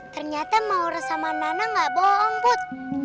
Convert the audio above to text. ternyata maura sama nana gak bohong put